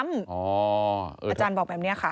อาจารย์บอกแบบนี้ค่ะ